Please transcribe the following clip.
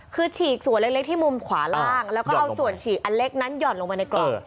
คือฉีกส่วนเล็กที่มุมขวาล่างแล้วก็เอาส่วนฉีกอันเล็กนั้นห่อนลงมาในกล่อง